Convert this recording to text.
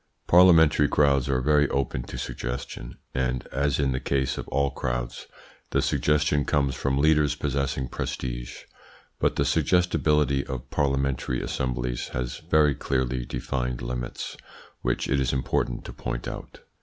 Parliamentary crowds are very open to suggestion; and, as in the case of all crowds, the suggestion comes from leaders possessing prestige; but the suggestibility of parliamentary assemblies has very clearly defined limits, which it is important to point out.